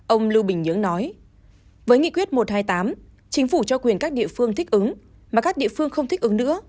ông lưu bình nhưỡng nói với nghị quyết một trăm hai mươi tám chính phủ cho quyền các địa phương thích ứng mà các địa phương không thích ứng nữa